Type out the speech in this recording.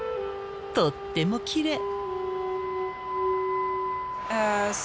とってもきれい。